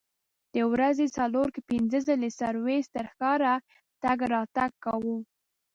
د ورځې څلور که پنځه ځلې سرویس تر ښاره تګ راتګ کاوه.